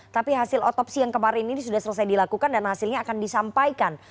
tapi hasil otopsi yang kemarin ini sudah selesai dilakukan dan hasilnya akan disampaikan